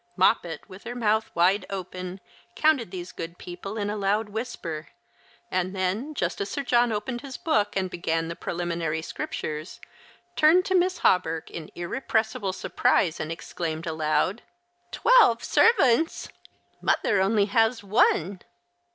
Moppet, with her mouth 'wide open, counted these good people in a loud whisper, and then, just as Sir John opened his book, and began the preliminary scriptures, turned to Miss Hawberk in irrepressible surprise, and exclaimed aloud — The Christmas Hirelings. 121 " Twelve servants ! Mother has only one